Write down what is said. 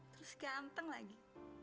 terus ganteng lagi